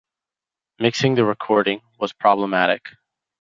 Mixing the recording was problematic.